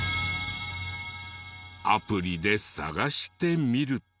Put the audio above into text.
アプリで探してみると。